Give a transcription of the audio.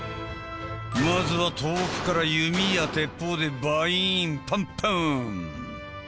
まずは遠くから弓や鉄砲でバインパンパン！